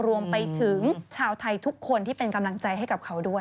รวมไปถึงชาวไทยทุกคนที่เป็นกำลังใจให้กับเขาด้วย